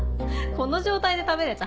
この状態で食べるヤツ